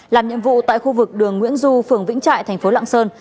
làm nhiệm vụ tại khu vực đường nguyễn du phường vĩnh trại tp lạng sơn